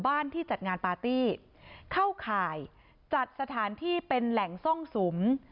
ที่จัดงานปาร์ตี้เข้าข่ายจัดสถานที่เป็นแหล่งซ่องสุม